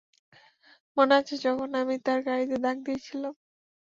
মনে আছে যখন আমি তার গাড়িতে দাগ দিয়েছিলাম?